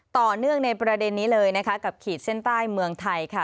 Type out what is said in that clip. ต่อเนื่องในประเด็นนี้เลยนะคะกับขีดเส้นใต้เมืองไทยค่ะ